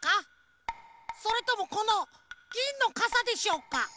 それともこのぎんのかさでしょうか？